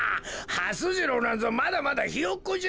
はす次郎なんぞまだまだひよっこじゃ。